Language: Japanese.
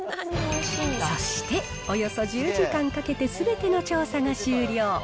そしておよそ１０時間かけて、すべての調査が終了。